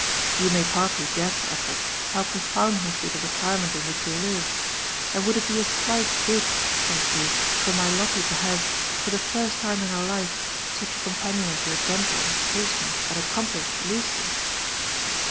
You may partly guess, Edward, how profound must be the retirement in which weHve; and would it be a slight good, think you, for my Lolte to have, for the first time in her life, such a companion as your gentle, patient, and ac* complisbedLucy?"